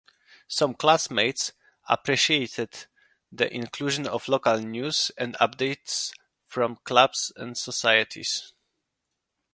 Some classmates appreciated the inclusion of local news and updates from clubs and societies.